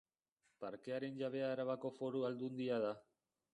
Parkearen jabea Arabako Foru Aldundia da.